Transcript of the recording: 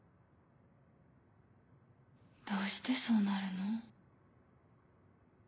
どうしてそうなるの？